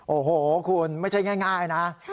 โอ้โหคุณไม่ใช่ง่ายนะ